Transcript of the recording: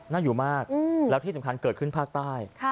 น่าอยู่มากแล้วที่สำคัญเกิดขึ้นภาคใต้